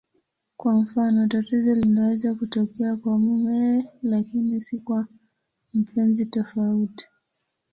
Kwa mfano, tatizo linaweza kutokea kwa mumewe lakini si kwa mpenzi tofauti.